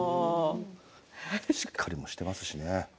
しっかりもしますしね。